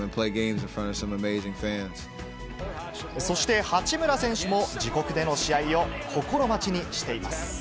そして、八村選手も、自国での試合を心待ちにしています。